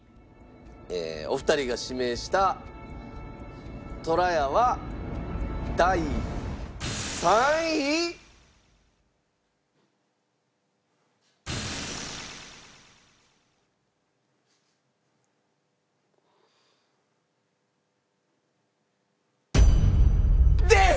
お二人が指名したとらやは第３位。です！